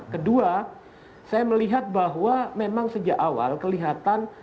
kedua saya melihat bahwa memang sejak awal kelihatan